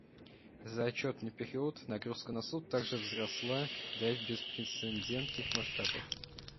За отчетный период нагрузка на Суд также возросла до беспрецедентных масштабов.